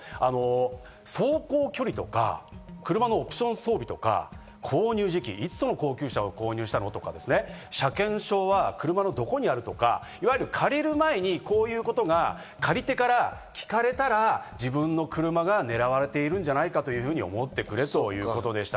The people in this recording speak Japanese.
走行距離とか車のオプション装備とか購入時期、車検証は車のどこにあるとか、借りる前に、こういうことが借り手から聞かれたら、自分の車が狙われているんじゃないかというふうに思ってくれということでした。